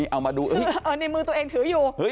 เอามาดูในมือตัวเองถืออยู่